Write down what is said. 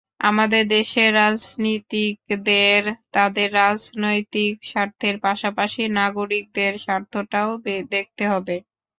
আমাদের দেশের রাজনীতিকদের তাঁদের রাজনৈতিক স্বার্থের পাশাপাশি নাগরিকদের স্বার্থটাও দেখতে হবে।